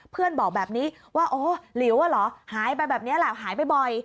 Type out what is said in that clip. เพื่อนบอกแบบนี้ว่าหลิวหรอหายไปแบบนี้แหละหายไปบ่อย